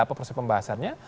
apa proses pembahasannya